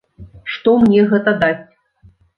Што мне гэта дасць?